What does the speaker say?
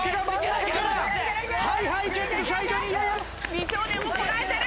美少年もこらえてる！